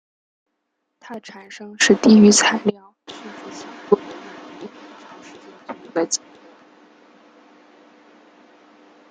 它的发生是低于材料屈服强度的应力长时间作用的结果。